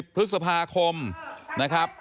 พฤษภาคมนะครับ